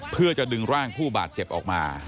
เพื่อจะดึงร่างผู้บาดเจ็บออกมา